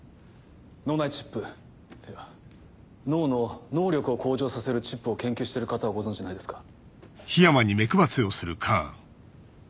脳内チップいや脳の能力を向上させるチップを研究してる方をご存じないですか？